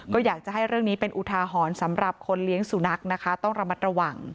ก็อยากจะให้เรื่องนี้เป็นอุทาหรณ์สำหรับคนเลี้ยงสุนัขนะคะต้องระมัดระวัง